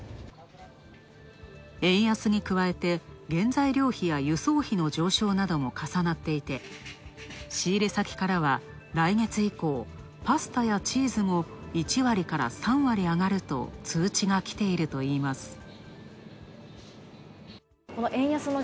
円安に加えて、原材料費や輸送費の上昇なども重なっていて、仕入れ先からは来月以降、パスタやチーズも１割から３割上がると通知が来ているといいます。